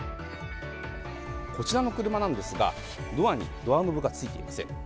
こちらの車なんですが、ドアにドアノブがついていません。